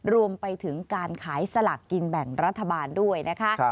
รวมไปถึงการขายสลากกินแบ่งรัฐบาลด้วยนะคะ